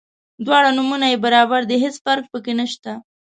دواړه نومونه یې برابر دي هیڅ فرق په کې نشته.